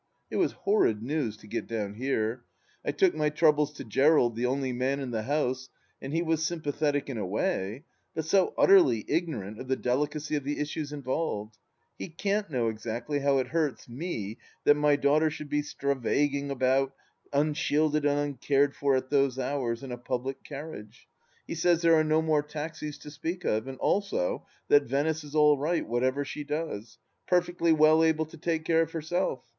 It was horrid news to get down here. I took my troubles to Gerald, the only man in the house, and he was sympa thetic in a way, but so utterly ignorant of the delicacy of the issues involved I ... He can't know exactly how it hurts me that my daughter should be stravaguing about, unshielded and imcared for at those hours, in a public carriage. ... He says there are no more taxis to speak of, and also that Venice is all right, whatever she does: perfectly well able to take care of herself.